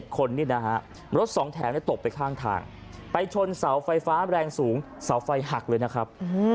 คนนี่นะฮะรถสองแถวตกไปข้างทางไปชนเสาไฟฟ้าแรงสูงเสาไฟหักเลยนะครับ